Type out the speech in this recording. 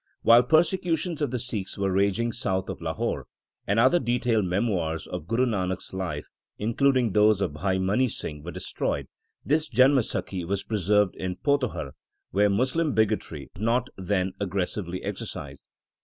While persecutions of the Sikhs were raging south of Lahore, and the other detailed memoirs of Guru Nanak s life, including those of Bhai Mani Singh, were destroyed, this Janamsakhi was preserved in Pothohar, where Moslem bigotry was not then aggressively exercised.